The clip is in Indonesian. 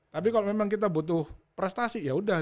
tapi kalau memang kita butuh prestasi ya udah